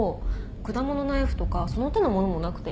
果物ナイフとかその手のものもなくて。